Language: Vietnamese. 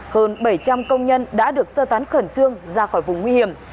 hơn bảy trăm linh công nhân đã được sơ tán khẩn trương ra khỏi vùng nguy hiểm